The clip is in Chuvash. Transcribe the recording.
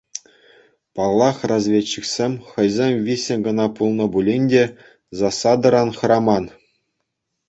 Паллах, разведчиксем — хӑйсем виҫҫӗн кӑна пулнӑ пулин те — засадӑран хӑраман.